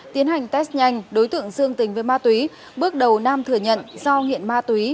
tiến hành test nhanh đối tượng dương tình với ma túy bước đầu nam thừa nhận do nghiện ma túy